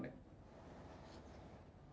sudah lima kali terjadi pencurian di desa cikone